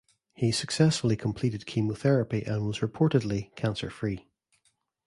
He successfully completed chemotherapy and was reportedly cancer free.